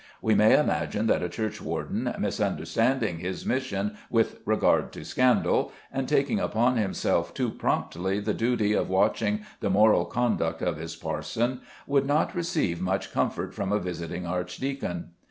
We may imagine that a churchwarden, misunderstanding his mission with regard to scandal, and taking upon himself too promptly the duty of watching the moral conduct of his parson, would not receive much comfort from a visiting archdeacon.